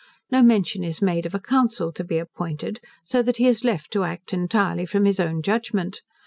No mention is made of a Council to be appointed, so that he is left to act entirely from his own judgment.